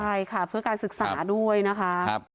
ใช่ค่ะเพื่อการศึกษาด้วยนะคะ